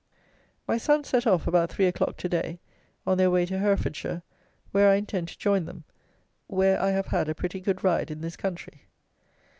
My sons set off about three o'clock to day, on their way to Herefordshire, where I intend to join them, when I have had a pretty good ride in this country.